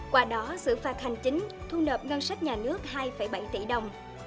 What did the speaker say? qua đó xử phạt hành chính thu nợp ngân sách nhà nước hai bảy tỷ đồng